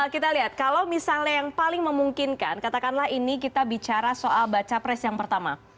kita lihat kalau misalnya yang paling memungkinkan katakanlah ini kita bicara soal baca pres yang pertama